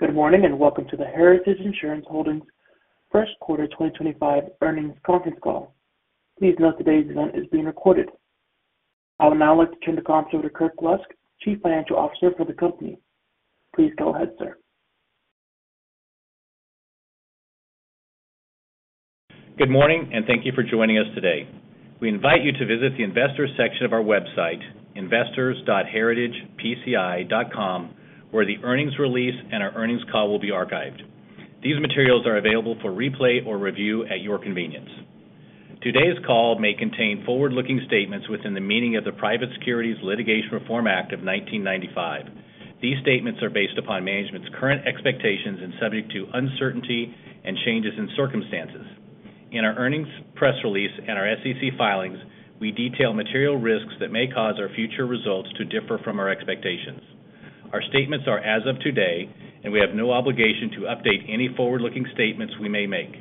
Good morning and welcome to the Heritage Insurance Holdings first quarter 2025 earnings conference call. Please note today's event is being recorded. I would now like to turn the conference over to Kirk Lusk, Chief Financial Officer for the company. Please go ahead, sir. Good morning and thank you for joining us today. We invite you to visit the investors' section of our website, investors.heritagepci.com, where the earnings release and our earnings call will be archived. These materials are available for replay or review at your convenience. Today's call may contain forward-looking statements within the meaning of the Private Securities Litigation Reform Act of 1995. These statements are based upon management's current expectations and subject to uncertainty and changes in circumstances. In our earnings press release and our SEC filings, we detail material risks that may cause our future results to differ from our expectations. Our statements are as of today, and we have no obligation to update any forward-looking statements we may make.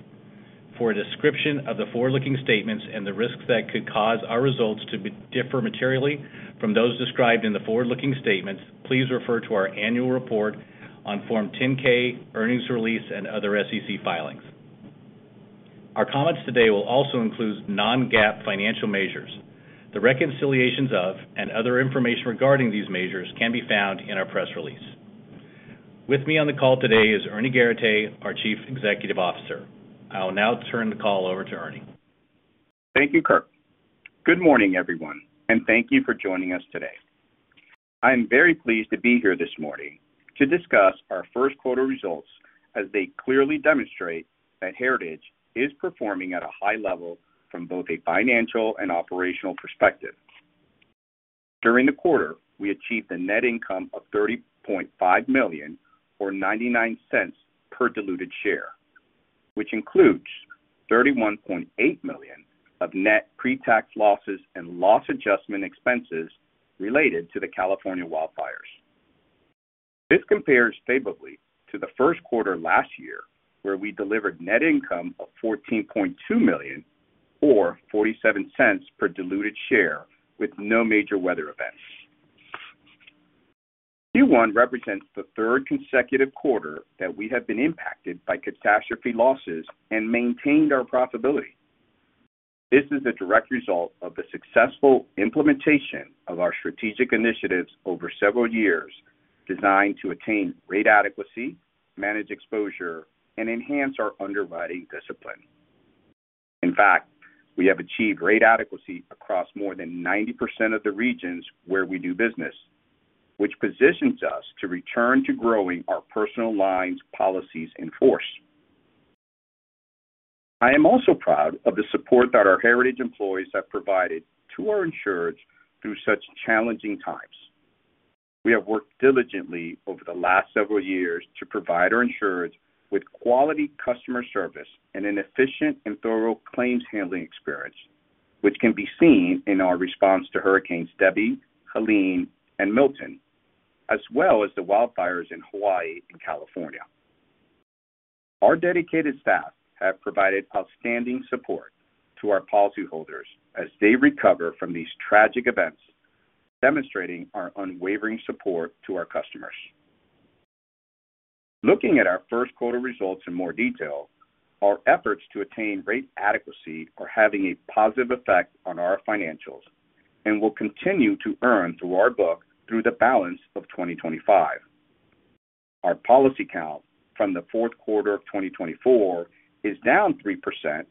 For a description of the forward-looking statements and the risks that could cause our results to differ materially from those described in the forward-looking statements, please refer to our annual report on Form 10-K, earnings release, and other SEC filings. Our comments today will also include non-GAAP financial measures. The reconciliations of and other information regarding these measures can be found in our press release. With me on the call today is Ernie Garateix, our Chief Executive Officer. I will now turn the call over to Ernie. Thank you, Kirk. Good morning, everyone, and thank you for joining us today. I am very pleased to be here this morning to discuss our first quarter results as they clearly demonstrate that Heritage is performing at a high level from both a financial and operational perspective. During the quarter, we achieved a net income of $30.5 million, or $0.99 per diluted share, which includes $31.8 million of net pre-tax losses and loss adjustment expenses related to the California wildfires. This compares favorably to the first quarter last year, where we delivered net income of $14.2 million, or $0.47 per diluted share, with no major weather events. Q1 represents the third consecutive quarter that we have been impacted by catastrophe losses and maintained our profitability. This is a direct result of the successful implementation of our strategic initiatives over several years designed to attain rate adequacy, manage exposure, and enhance our underwriting discipline. In fact, we have achieved rate adequacy across more than 90% of the regions where we do business, which positions us to return to growing our personal lines, policies in force. I am also proud of the support that our Heritage employees have provided to our insureds through such challenging times. We have worked diligently over the last several years to provide our insureds with quality customer service and an efficient and thorough claims handling experience, which can be seen in our response to Hurricanes Debbie, Helene, and Milton, as well as the wildfires in Hawaii and California. Our dedicated staff have provided outstanding support to our policyholders as they recover from these tragic events, demonstrating our unwavering support to our customers. Looking at our first quarter results in more detail, our efforts to attain rate adequacy are having a positive effect on our financials and will continue to earn through our book through the balance of 2025. Our policy count from the fourth quarter of 2024 is down 3%,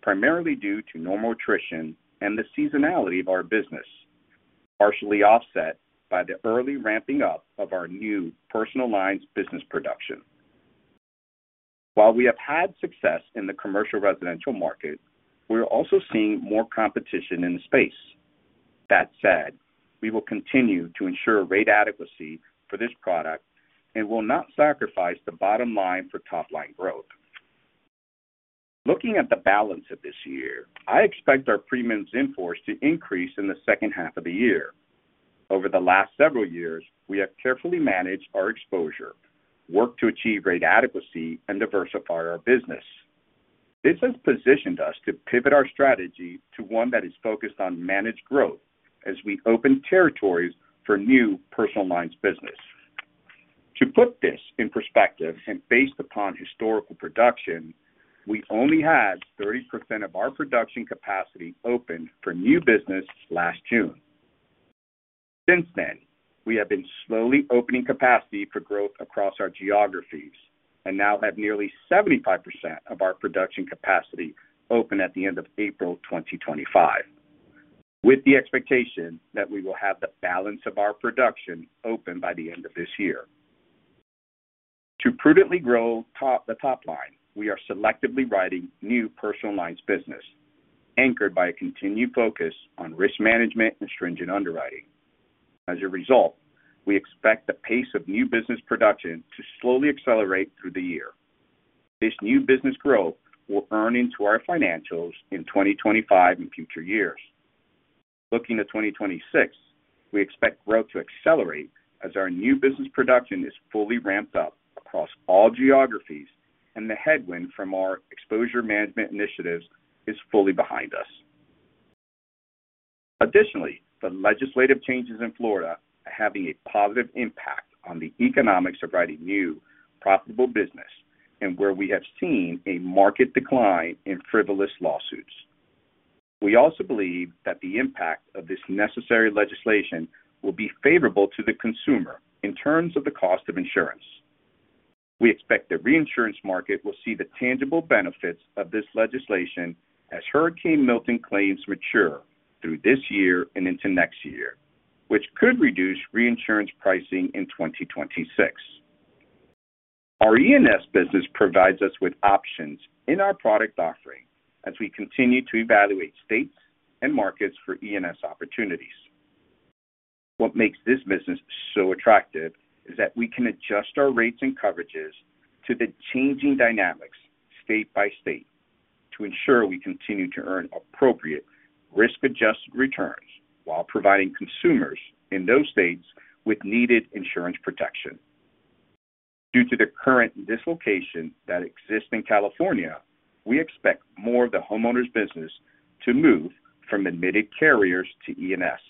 primarily due to normal attrition and the seasonality of our business, partially offset by the early ramping up of our new personal lines business production. While we have had success in the commercial residential market, we are also seeing more competition in the space. That said, we will continue to ensure rate adequacy for this product and will not sacrifice the bottom line for top-line growth. Looking at the balance of this year, I expect our policies in force to increase in the second half of the year. Over the last several years, we have carefully managed our exposure, worked to achieve rate adequacy, and diversify our business. This has positioned us to pivot our strategy to one that is focused on managed growth as we open territories for new personal lines business. To put this in perspective and based upon historical production, we only had 30% of our production capacity open for new business last June. Since then, we have been slowly opening capacity for growth across our geographies and now have nearly 75% of our production capacity open at the end of April 2025, with the expectation that we will have the balance of our production open by the end of this year. To prudently grow the top line, we are selectively writing new personal lines business, anchored by a continued focus on risk management and stringent underwriting. As a result, we expect the pace of new business production to slowly accelerate through the year. This new business growth will earn into our financials in 2025 and future years. Looking to 2026, we expect growth to accelerate as our new business production is fully ramped up across all geographies and the headwind from our exposure management initiatives is fully behind us. Additionally, the legislative changes in Florida are having a positive impact on the economics of writing new profitable business and where we have seen a market decline in frivolous lawsuits. We also believe that the impact of this necessary legislation will be favorable to the consumer in terms of the cost of insurance. We expect the reinsurance market will see the tangible benefits of this legislation as Hurricane Milton claims mature through this year and into next year, which could reduce reinsurance pricing in 2026. Our E&S business provides us with options in our product offering as we continue to evaluate states and markets for E&S opportunities. What makes this business so attractive is that we can adjust our rates and coverages to the changing dynamics state by state to ensure we continue to earn appropriate risk-adjusted returns while providing consumers in those states with needed insurance protection. Due to the current dislocation that exists in California, we expect more of the homeowners' business to move from admitted carriers to E&S,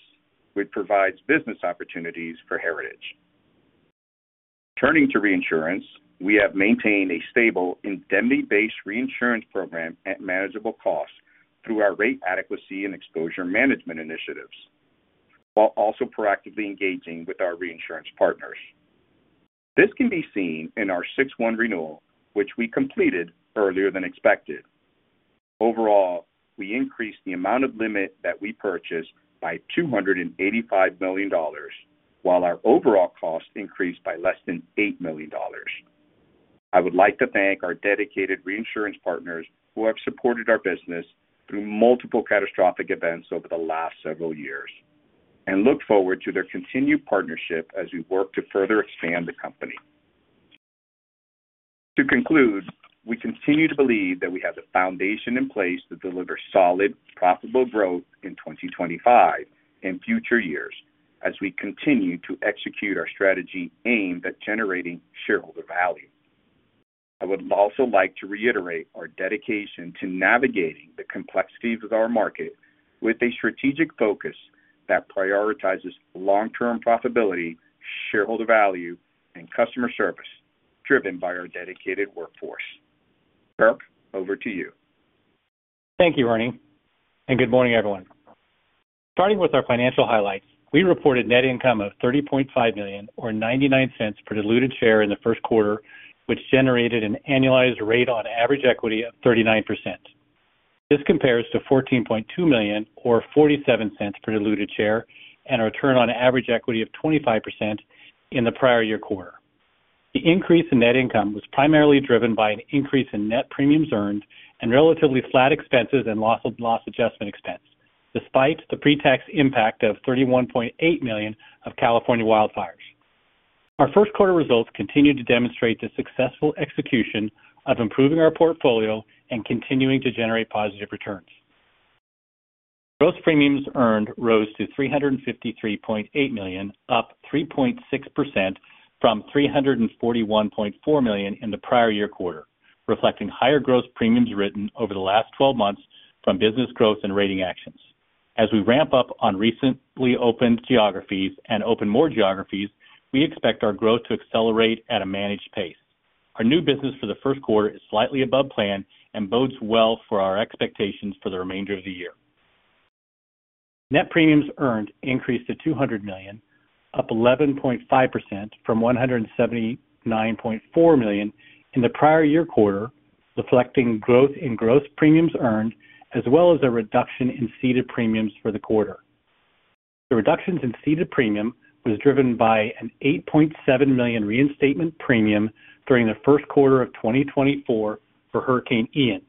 which provides business opportunities for Heritage. Turning to reinsurance, we have maintained a stable indemnity-based reinsurance program at manageable costs through our rate adequacy and exposure management initiatives, while also proactively engaging with our reinsurance partners. This can be seen in our 6-1 renewal, which we completed earlier than expected. Overall, we increased the amount of limit that we purchased by $285 million, while our overall cost increased by less than $8 million. I would like to thank our dedicated reinsurance partners who have supported our business through multiple catastrophic events over the last several years and look forward to their continued partnership as we work to further expand the company. To conclude, we continue to believe that we have the foundation in place to deliver solid, profitable growth in 2025 and future years as we continue to execute our strategy aimed at generating shareholder value. I would also like to reiterate our dedication to navigating the complexities of our market with a strategic focus that prioritizes long-term profitability, shareholder value, and customer service driven by our dedicated workforce. Kirk, over to you. Thank you, Ernie. Good morning, everyone. Starting with our financial highlights, we reported net income of $30.5 million, or $0.99 per diluted share in the first quarter, which generated an annualized return on average equity of 39%. This compares to $14.2 million, or $0.47 per diluted share, and a return on average equity of 25% in the prior year quarter. The increase in net income was primarily driven by an increase in net premiums earned and relatively flat expenses and loss adjustment expense, despite the pre-tax impact of $31.8 million of California wildfires. Our first quarter results continue to demonstrate the successful execution of improving our portfolio and continuing to generate positive returns. Gross premiums earned rose to $353.8 million, up 3.6% from $341.4 million in the prior year quarter, reflecting higher gross premiums written over the last 12 months from business growth and rating actions. As we ramp up on recently opened geographies and open more geographies, we expect our growth to accelerate at a managed pace. Our new business for the first quarter is slightly above plan and bodes well for our expectations for the remainder of the year. Net premiums earned increased to $200 million, up 11.5% from $179.4 million in the prior year quarter, reflecting growth in gross premiums earned as well as a reduction in ceded premiums for the quarter. The reductions in ceded premium were driven by an $8.7 million reinstatement premium during the first quarter of 2024 for Hurricane Ian,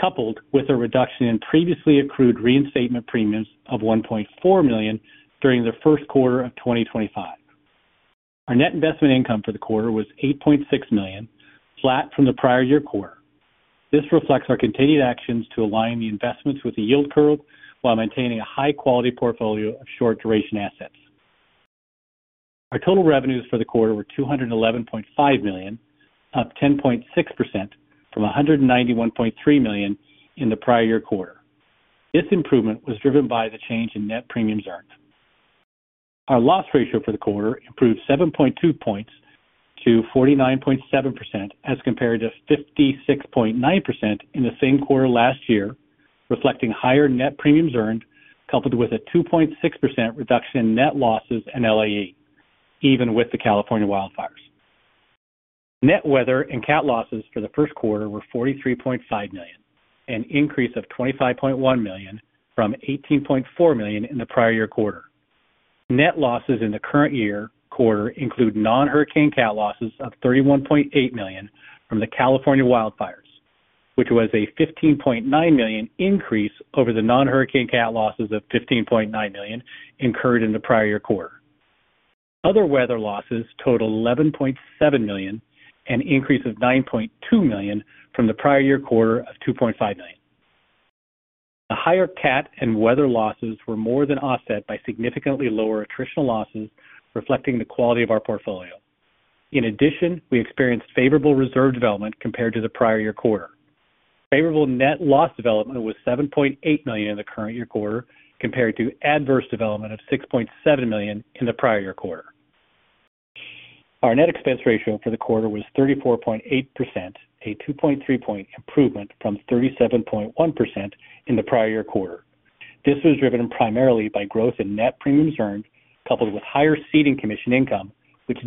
coupled with a reduction in previously accrued reinstatement premiums of $1.4 million during the first quarter of 2025. Our net investment income for the quarter was $8.6 million, flat from the prior year quarter. This reflects our continued actions to align the investments with the yield curve while maintaining a high-quality portfolio of short-duration assets. Our total revenues for the quarter were $211.5 million, up 10.6% from $191.3 million in the prior year quarter. This improvement was driven by the change in net premiums earned. Our loss ratio for the quarter improved 7.2 percentage points to 49.7% as compared to 56.9% in the same quarter last year, reflecting higher net premiums earned coupled with a 2.6% reduction in net losses and LAE, even with the California wildfires. Net weather and cat losses for the first quarter were $43.5 million, an increase of $25.1 million from $18.4 million in the prior year quarter. Net losses in the current year quarter include non-Hurricane cat losses of $31.8 million from the California wildfires, which was a $15.9 million increase over the non-Hurricane cat losses of $15.9 million incurred in the prior year quarter. Other weather losses total $11.7 million, an increase of $9.2 million from the prior year quarter of $2.5 million. The higher cat and weather losses were more than offset by significantly lower attritional losses, reflecting the quality of our portfolio. In addition, we experienced favorable reserve development compared to the prior year quarter. Favorable net loss development was $7.8 million in the current year quarter compared to adverse development of $6.7 million in the prior year quarter. Our net expense ratio for the quarter was 34.8%, a 2.3-point improvement from 37.1% in the prior year quarter. This was driven primarily by growth in net premiums earned coupled with higher ceding commission income, which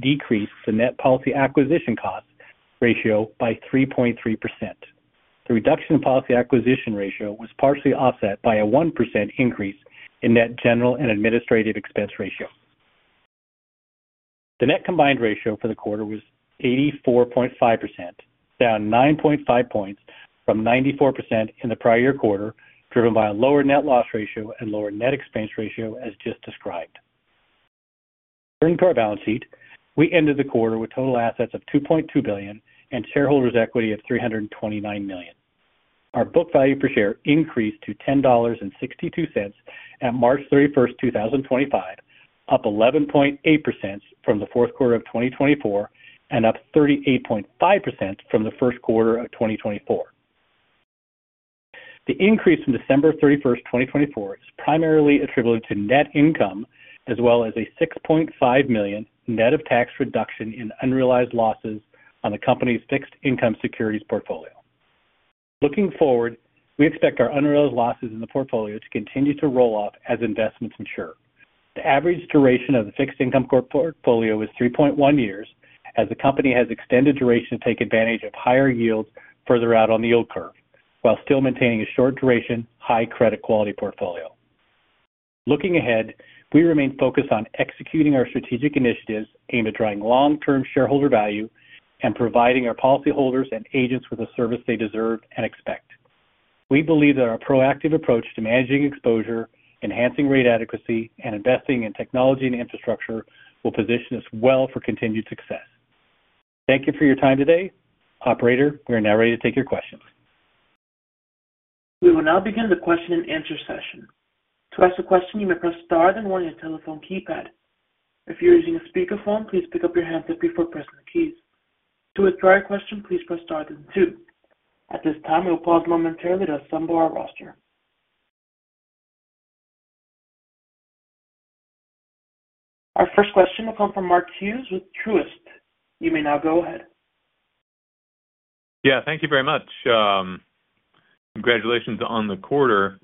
decreased the net policy acquisition cost ratio by 3.3%. The reduction in policy acquisition ratio was partially offset by a 1% increase in net general and administrative expense ratio. The net combined ratio for the quarter was 84.5%, down 9.5 percentage points from 94% in the prior year quarter, driven by a lower net loss ratio and lower net expense ratio as just described. Turning to our balance sheet, we ended the quarter with total assets of $2.2 billion and shareholders' equity of $329 million. Our book value per share increased to $10.62 at March 31, 2025, up 11.8% from the fourth quarter of 2024 and up 38.5% from the first quarter of 2024. The increase from December 31, 2024, is primarily attributed to net income as well as a $6.5 million net of tax reduction in unrealized losses on the company's fixed income securities portfolio. Looking forward, we expect our unrealized losses in the portfolio to continue to roll off as investments mature. The average duration of the fixed income portfolio is 3.1 years as the company has extended duration to take advantage of higher yields further out on the yield curve while still maintaining a short-duration, high-credit quality portfolio. Looking ahead, we remain focused on executing our strategic initiatives aimed at drawing long-term shareholder value and providing our policyholders and agents with the service they deserve and expect. We believe that our proactive approach to managing exposure, enhancing rate adequacy, and investing in technology and infrastructure will position us well for continued success. Thank you for your time today. Operator, we are now ready to take your questions. We will now begin the question and answer session. To ask a question, you may press star then one on your telephone keypad. If you're using a speakerphone, please pick up your handset before pressing the keys. To withdraw your question, please press star then two. At this time, we'll pause momentarily to assemble our roster. Our first question will come from Mark Hughes with Truist. You may now go ahead. Yeah, thank you very much. Congratulations on the quarter.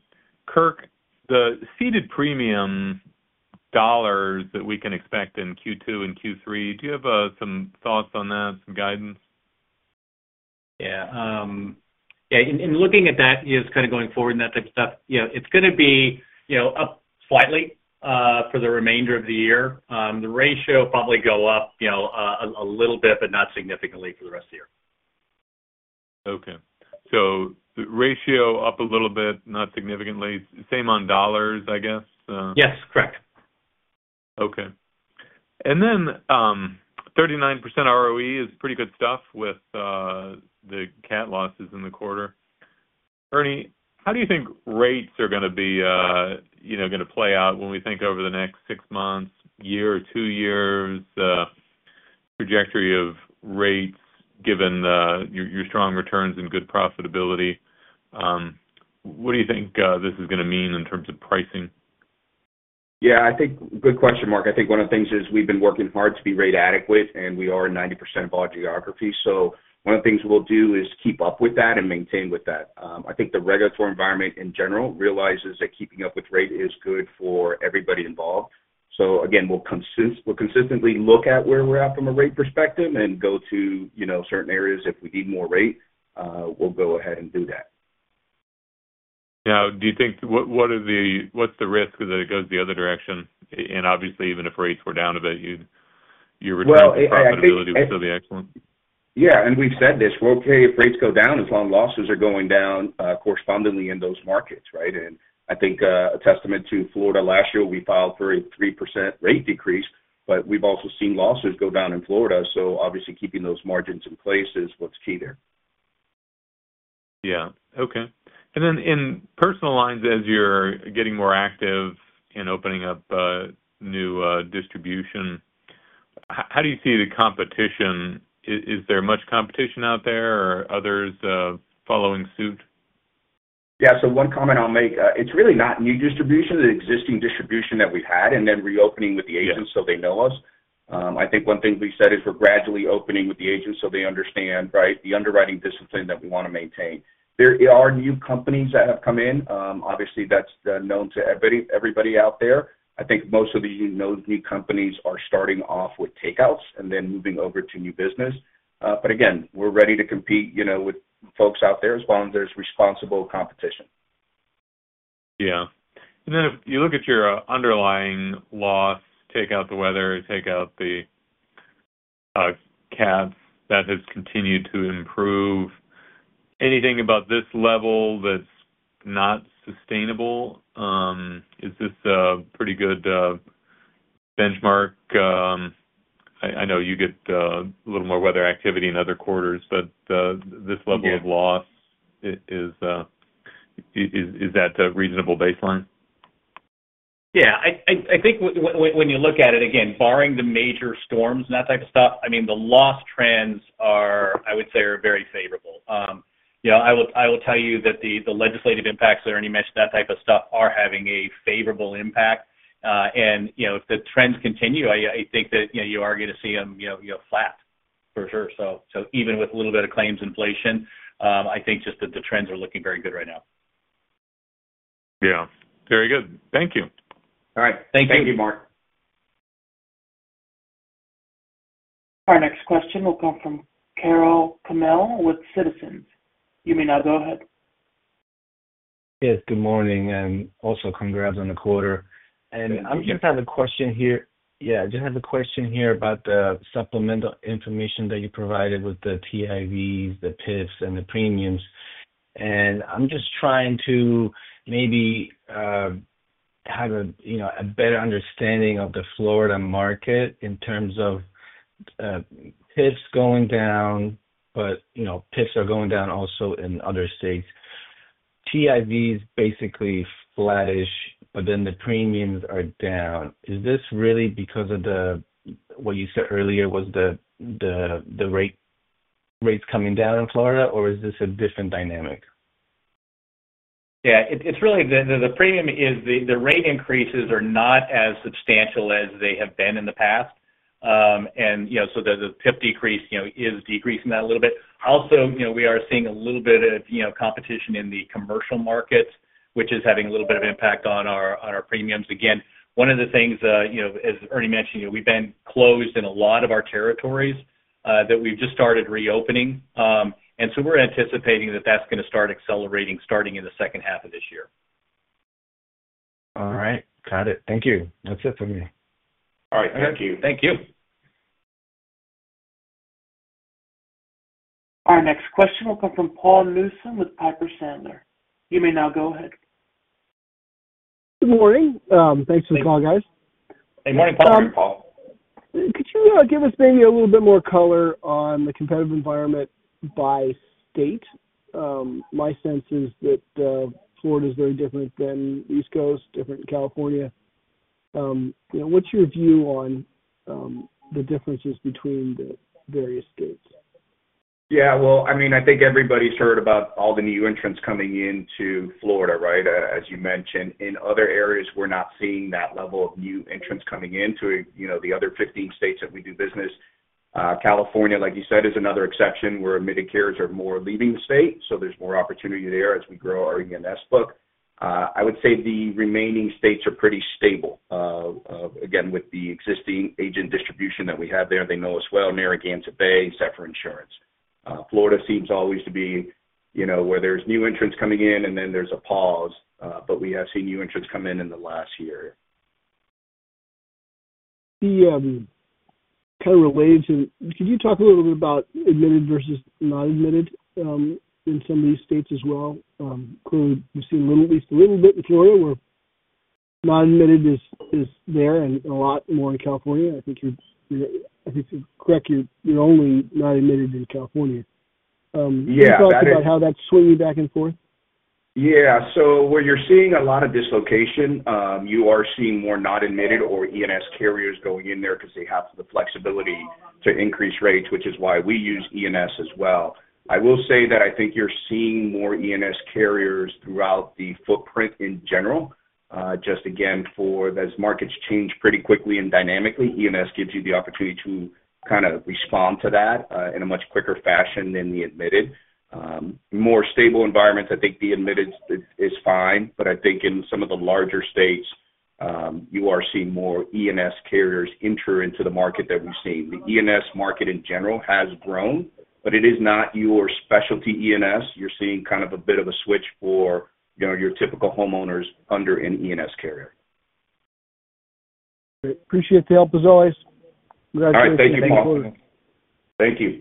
Kirk, the ceded premium dollars that we can expect in Q2 and Q3, do you have some thoughts on that, some guidance? Yeah. Yeah. In looking at that, kind of going forward and that type of stuff, it's going to be up slightly for the remainder of the year. The ratio will probably go up a little bit, but not significantly for the rest of the year. Okay. So the ratio up a little bit, not significantly. Same on dollars, I guess? Yes, correct. Okay. And then 39% ROE is pretty good stuff with the cat losses in the quarter. Ernie, how do you think rates are going to be going to play out when we think over the next six months, year, two years? Trajectory of rates given your strong returns and good profitability. What do you think this is going to mean in terms of pricing? Yeah, I think good question, Mark. I think one of the things is we've been working hard to be rate adequate, and we are 90% of all geographies. One of the things we'll do is keep up with that and maintain with that. I think the regulatory environment in general realizes that keeping up with rate is good for everybody involved. Again, we'll consistently look at where we're at from a rate perspective and go to certain areas. If we need more rate, we'll go ahead and do that. Now, do you think what's the risk that it goes the other direction? Obviously, even if rates were down a bit, your return profitability would still be excellent? Yeah. We have said this. We are okay if rates go down as long as losses are going down correspondingly in those markets, right? I think a testament to Florida last year, we filed for a 3% rate decrease, but we have also seen losses go down in Florida. Obviously, keeping those margins in place is what is key there. Yeah. Okay. In personal lines, as you're getting more active and opening up new distribution, how do you see the competition? Is there much competition out there or others following suit? Yeah. So one comment I'll make, it's really not new distribution, the existing distribution that we've had and then reopening with the agents so they know us. I think one thing we said is we're gradually opening with the agents so they understand, right, the underwriting discipline that we want to maintain. There are new companies that have come in. Obviously, that's known to everybody out there. I think most of these new companies are starting off with takeouts and then moving over to new business. Again, we're ready to compete with folks out there as long as there's responsible competition. Yeah. If you look at your underlying loss, take out the weather, take out the cats, that has continued to improve. Anything about this level that's not sustainable? Is this a pretty good benchmark? I know you get a little more weather activity in other quarters, but this level of loss, is that a reasonable baseline? Yeah. I think when you look at it, again, barring the major storms and that type of stuff, I mean, the loss trends are, I would say, very favorable. I will tell you that the legislative impacts that Ernie mentioned, that type of stuff, are having a favorable impact. If the trends continue, I think that you are going to see them flat for sure. Even with a little bit of claims inflation, I think just that the trends are looking very good right now. Yeah. Very good. Thank you. All right. Thank you. Thank you, Mark. Our next question will come from Carol Camille with Citizens. You may now go ahead. Yes. Good morning. Also, congrats on the quarter. I just have a question here about the supplemental information that you provided with the TIVs, the PIFs, and the premiums. I'm just trying to maybe have a better understanding of the Florida market in terms of PIFs going down, but PIFs are going down also in other states. TIVs basically flattish, but then the premiums are down. Is this really because of what you said earlier was the rates coming down in Florida, or is this a different dynamic? Yeah. It's really the premium is the rate increases are not as substantial as they have been in the past. The PIF decrease is decreasing that a little bit. Also, we are seeing a little bit of competition in the commercial markets, which is having a little bit of impact on our premiums. Again, one of the things, as Ernie mentioned, we've been closed in a lot of our territories that we've just started reopening. We are anticipating that that's going to start accelerating starting in the second half of this year. All right. Got it. Thank you. That's it for me. All right. Thank you. Thank you. Our next question will come from Paul Newsom with Piper Sandler. You may now go ahead. Good morning. Thanks for the call, guys. Hey, morning, Paul. Could you give us maybe a little bit more color on the competitive environment by state? My sense is that Florida is very different than the East Coast, different than California. What's your view on the differences between the various states? Yeah. I mean, I think everybody's heard about all the new entrants coming into Florida, right, as you mentioned. In other areas, we're not seeing that level of new entrants coming into the other 15 states that we do business. California, like you said, is another exception where carriers are more leaving the state. So there's more opportunity there as we grow our E&S book. I would say the remaining states are pretty stable. Again, with the existing agent distribution that we have there, they know us well near Atlanta Bay, Safepoint Insurance. Florida seems always to be where there's new entrants coming in, and then there's a pause. We have seen new entrants come in in the last year. Kind of related to, could you talk a little bit about admitted versus not admitted in some of these states as well? Clearly, we've seen at least a little bit in Florida where not admitted is there and a lot more in California. I think you're correct, you're only not admitted in California. Yeah. Can you talk about how that's swinging back and forth? Yeah. So where you're seeing a lot of dislocation, you are seeing more not admitted or E&S carriers going in there because they have the flexibility to increase rates, which is why we use E&S as well. I will say that I think you're seeing more E&S carriers throughout the footprint in general. Just again, as markets change pretty quickly and dynamically, E&S gives you the opportunity to kind of respond to that in a much quicker fashion than the admitted. More stable environments, I think the admitted is fine. I think in some of the larger states, you are seeing more E&S carriers enter into the market that we've seen. The E&S market in general has grown, but it is not your specialty E&S. You're seeing kind of a bit of a switch for your typical homeowners under an E&S carrier. All right. Appreciate the help as always. Congratulations on the quarter. All right. Thank you, Paul. Thank you.